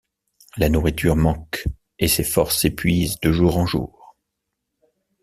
La nourriture manque et ses forces s'épuisent de jours en jours.